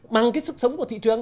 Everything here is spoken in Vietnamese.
bằng cái sức sống của thị trường